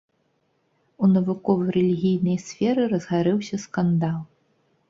У навукова-рэлігійнай сферы разгарэўся скандал.